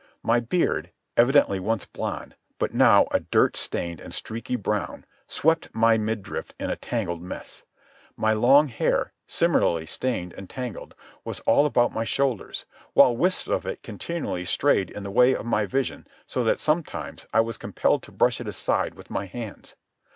My beard, evidently once blond, but now a dirt stained and streaky brown, swept my midriff in a tangled mass. My long hair, similarly stained and tangled, was all about my shoulders, while wisps of it continually strayed in the way of my vision so that sometimes I was compelled to brush it aside with my hands.